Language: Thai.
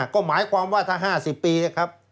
ก็หมายความว่าถ้า๕๐ปีนะครับ